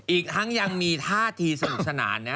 อีกทั้งยังมีท่าทีสนุกสนานนะ